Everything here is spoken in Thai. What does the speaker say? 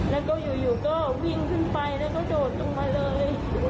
แล้วก็อยู่ก็วิ่งขึ้นไปแล้วก็โดดลงมาเลย